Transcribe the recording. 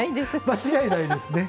間違いないですね。